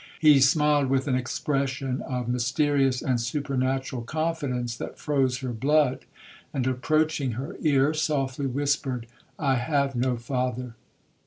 '—he smiled with an expression of mysterious and supernatural confidence that froze her blood, and, approaching her ear, softly whispered, 'I have no father!